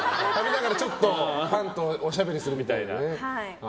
ちょっとファンとおしゃべりするみたいなね。